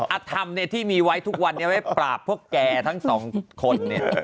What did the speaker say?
อัธรรมที่มีไว้ทุกวันนี้เอาไว้ปราบพวกแกทั้งสองคน